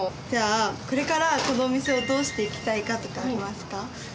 じゃあこれからこのお店をどうしていきたいかとかありますか？